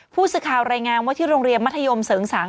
ผู้สื่อข่าวรายงานว่าที่โรงเรียนมัธยมเสริงสาง